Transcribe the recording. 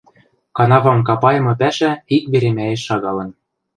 Канавам капайымы пӓшӓ ик веремӓэш шагалын.